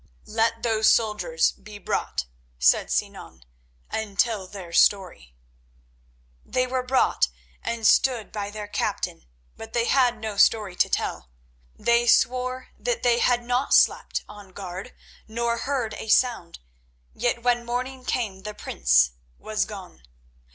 "Let those soldiers be brought," said Sinan, "and tell their story." They were brought and stood by their captain, but they had no story to tell. They swore that they had not slept on guard, nor heard a sound, yet when morning came the prince was gone.